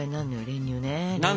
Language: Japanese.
練乳ね。